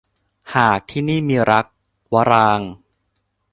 หากที่นี่มีรัก - วรางค์